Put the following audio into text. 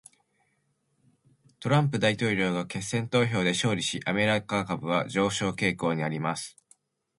トランプ大統領が決選投票で勝利し、アメリカ株は上昇傾向にあります。